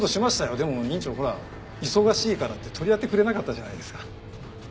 でも院長ほら忙しいからって取り合ってくれなかったじゃないですか。